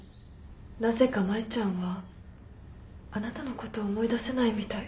なぜか舞ちゃんはあなたのことを思い出せないみたい。